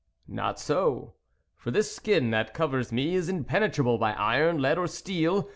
" Not so ; for this skin that covers me is impenetrable by iron, lead or steel.